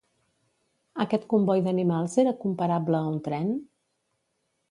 Aquest comboi d'animals era comparable a un tren?